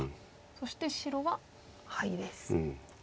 そして白はハイです。